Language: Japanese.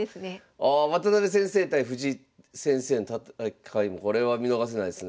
あ渡辺先生対藤井先生の戦いもこれは見逃せないですねえ。